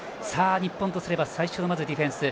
日本とすれば最初のディフェンス。